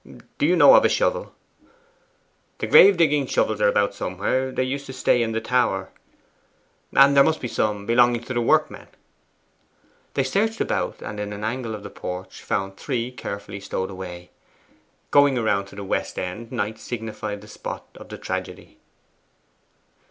Do you know of a shovel?' 'The grave digging shovels are about somewhere. They used to stay in the tower.' 'And there must be some belonging to the workmen.' They searched about, and in an angle of the porch found three carefully stowed away. Going round to the west end Knight signified the spot of the tragedy.